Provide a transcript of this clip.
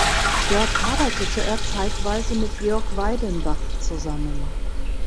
Dort arbeitete er zeitweise mit Georg Weidenbach zusammen.